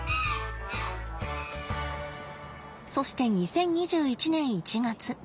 そして２０２１年１月。